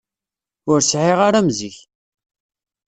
Ur sɛiɣ ara am zik.